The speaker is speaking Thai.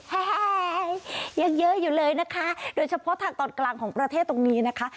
แห้งยังเยอะอยู่เลยนะคะโดยเฉพาะทางตอนกลางของประเทศตรงนี้นะคะ